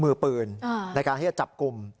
มือปืนในการที่จะจับกลุ่ม